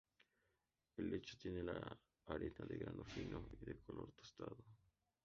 El lecho tiene la arena de grano fino y de color tostado.